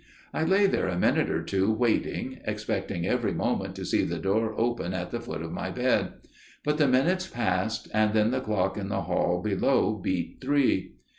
I lay there a minute or two waiting, expecting every moment to see the door open at the foot of my bed; but the minutes passed, and then the clock in the hall below beat three.